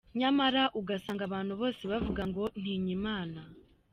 Nyamara ugasanga abantu bose bavuga ngo "ntinya imana".